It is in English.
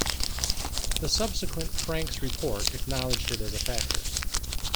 The subsequent Franks Report acknowledged it as a factor.